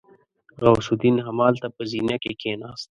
غوث الدين همالته په زينه کې کېناست.